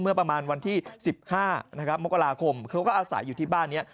เมื่อประมาณวันที่๑๕นะครับมกราคมเขาก็อาศัยอยู่ที่บ้านนี้